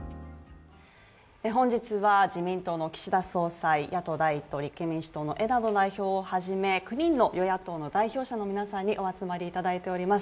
本日は自民党の岸田総裁、野党第１党、立憲民主党の枝野代表をはじめ９人の与野党の代表者の皆さんにお集まりいただいております。